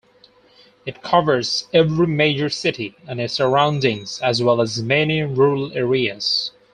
It covers every major city and its surroundings, as well as many rural areas.